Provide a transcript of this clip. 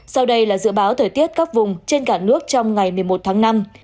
sau đây là dự báo thời tiết các vùng trên cả nước trong ngày một mươi một tháng năm